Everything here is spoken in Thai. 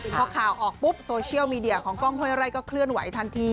พอข่าวออกปุ๊บโซเชียลมีเดียของกล้องห้วยไร่ก็เคลื่อนไหวทันที